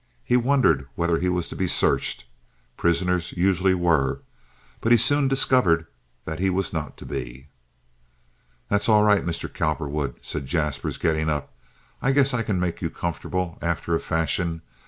He wondered whether he was to be searched—prisoners usually were—but he soon discovered that he was not to be. "That's all right, Mr. Cowperwood," said Jaspers, getting up. "I guess I can make you comfortable, after a fashion.